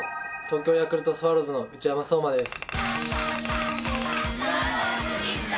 東京ヤクルトスワローズの内山壮真です。